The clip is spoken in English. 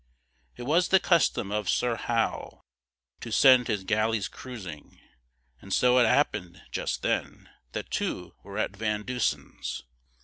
It was the custom of Sir Hal To send his galleys cruising, And so it happenèd just then That two were at Van Deusen's.